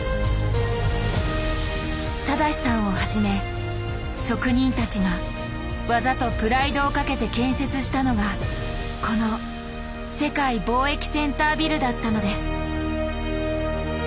正さんをはじめ職人たちが技とプライドをかけて建設したのがこの世界貿易センタービルだったのです。